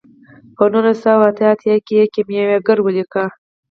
په نولس سوه اته اتیا کې یې کیمیاګر ولیکه.